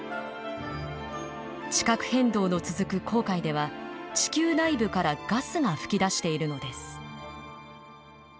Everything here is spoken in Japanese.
地殻変動の続く紅海では地球内部からガスが噴き出しているのです。